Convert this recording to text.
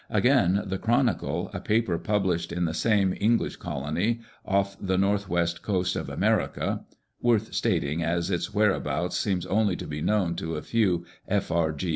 Again, the Chronicle, a paper published in the same English colony, off the north west coast of America (worth stating, as its whereabout seems only to be known to a few F.R.